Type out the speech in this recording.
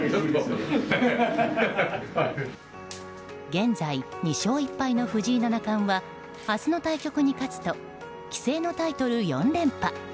現在２勝１敗の藤井七冠は明日の対局に勝つと棋聖のタイトル４連覇。